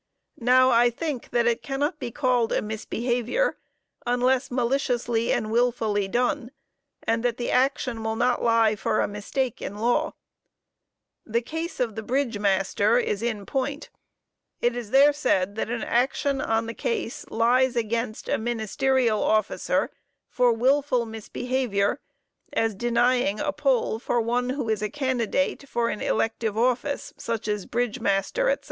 Now I think, that it cannot be called a misbehavior, unless maliciously and wilfully done, and that the action will not lie for a mistake in law. The case of the bridge master is in point [Bul N.P. 64.]. It is there said, that an action on the case lies against a ministerial officer for wilful misbehavior, as denying a poll for one who is a candidate for an elective office, such as bridge master &c."